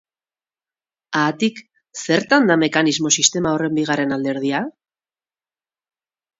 Haatik, zertan da mekanismo-sistema horren bigarren alderdia?